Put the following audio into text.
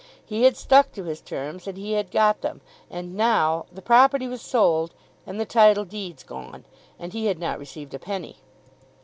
He had stuck to his terms and he had got them. And now the property was sold, and the title deeds gone, and he had not received a penny!